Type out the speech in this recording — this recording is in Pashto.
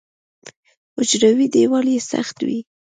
حجروي دیوال یې سخت وي.